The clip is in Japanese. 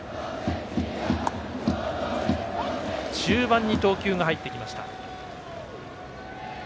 中盤に投球が入ってきました。